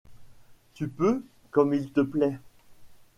Tu peux, comme il te plaît... »